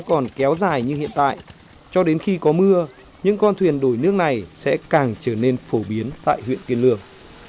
còn kéo dài như hiện tại cho đến khi có mưa những con thuyền đổi nước này sẽ càng trở nên phổ biến tại huyện kiên lương